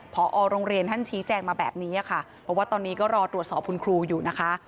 พอโรงเรียนท่านชี้แจงมาแบบนี้ค่ะบอกว่าตอนนี้ก็รอตรวจสอบคุณครูอยู่นะคะ